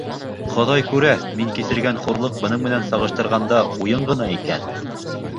— Хоҙай күрә, мин кисергән хурлыҡ бының менән сағыштырғанда уйын ғына икән!